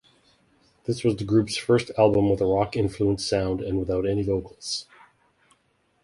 This was the group's first album with a rock-influenced sound and without any vocals.